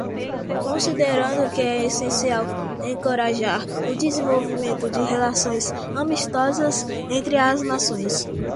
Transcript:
Considerando que é essencial encorajar o desenvolvimento de relações amistosas entre as nações;